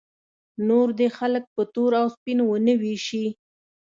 نور دې خلک په تور او سپین ونه ویشي.